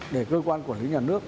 để cơ quan quản lý nhà nước